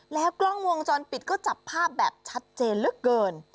แล้วกล้องวงจรปิดก็จับภาพแบบชัดเจนเหลือเกิน